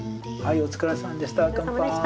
お疲れさまでした。